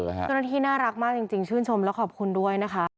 หน้าที่น่ารักมากจริงจริงชื่นชมแล้วขอบคุณด้วยนะคะ